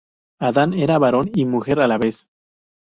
Adan era varón y mujer a la vez.